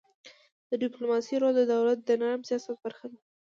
د ډيپلوماسی رول د دولت د نرم سیاست برخه ده.